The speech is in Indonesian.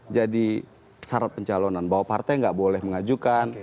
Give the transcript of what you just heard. jadi syarat pencalonan bahwa partai gak boleh mengajukan